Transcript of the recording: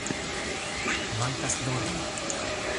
Mankas dormo